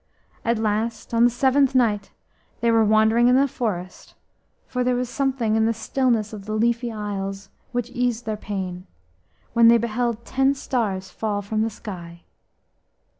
At last on the seventh night they were wandering in the forest, for there was something in the stillness of the leafy aisles which eased their pain, when they beheld ten stars fall from the sky.